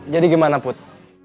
jadi gimana put